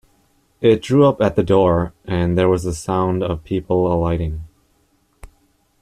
It drew up at the door, and there was the sound of people alighting.